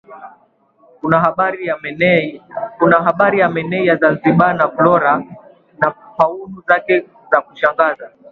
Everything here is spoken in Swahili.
Kuna Bahari ya Menai ya Zanzibar na flora na fauna zake za kushangaza